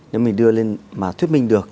nếu mình đưa lên mà thuyết minh được